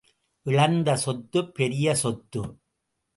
இழந்த சொத்துப் பெரிய சொத்து.